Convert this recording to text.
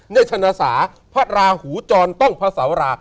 ในชนะสาพระราหูจรต้องพระสาวรา